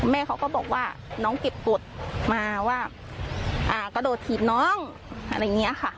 แม่เขาก็บอกว่าน้องเก็บกฎมาว่ากระโดดถีบน้องอะไรอย่างนี้ค่ะ